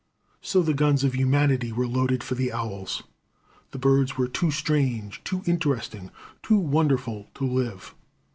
So the guns of humanity were loaded for the owls. The birds were too strange, too interesting, too wonderful to live.